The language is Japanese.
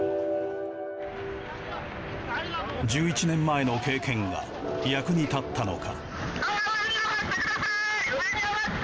１１年前の経験が役に立ったのか。